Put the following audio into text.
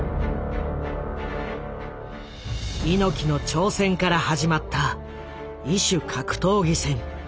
猪木の挑戦から始まった異種格闘技戦。